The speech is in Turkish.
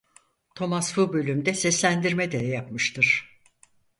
Thomas bu bölümde seslendirme de yapmıştır.